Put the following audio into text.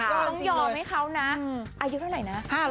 ต้องยอมให้เขานะอายุเท่าไหร่นะ